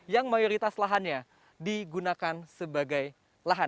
yang mayoritas lahannya digunakan sebagai lahan